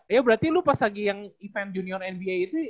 ya berarti lu pas lagi yang event junior nba itu